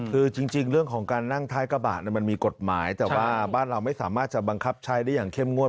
คือจริงเรื่องของการนั่งท้ายกระบะมันมีกฎหมายแต่ว่าบ้านเราไม่สามารถจะบังคับใช้ได้อย่างเข้มงวด